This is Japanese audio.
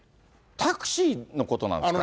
タクシーのことなんですか？